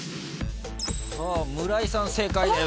村井さん正解です。